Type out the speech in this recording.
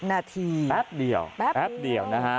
แป๊บเดียวแป๊บเดียวแป๊บเดียวนะฮะ